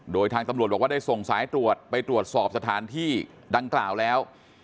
โดยทางตำรวจบอกว่าได้ส่งสายตรวจไปตรวจสอบสถานที่ดังกล่าวแล้ว